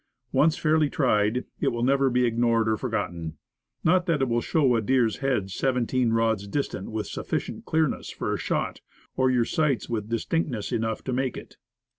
Once fairly tried, it will never be ignored or forgotten. Not that it will show a deer's head seventeen rods distant with suf ficient clearness for a shot or your sights with distinctness enough to make it.